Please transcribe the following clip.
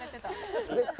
絶対。